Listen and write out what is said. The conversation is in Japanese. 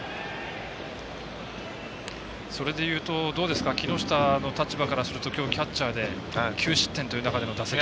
それでいうと木下の立場からするときょう、キャッチャーで９失点という中での打席。